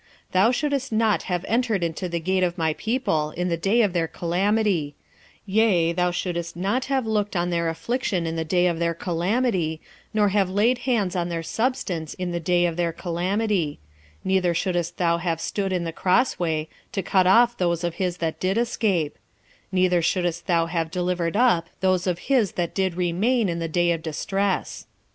1:13 Thou shouldest not have entered into the gate of my people in the day of their calamity; yea, thou shouldest not have looked on their affliction in the day of their calamity, nor have laid hands on their substance in the day of their calamity; 1:14 Neither shouldest thou have stood in the crossway, to cut off those of his that did escape; neither shouldest thou have delivered up those of his that did remain in the day of distress.